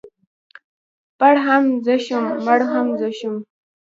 پړ هم زه شوم مړ هم زه شوم.